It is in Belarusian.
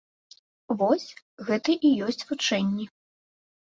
Вось, гэта і ёсць вучэнні.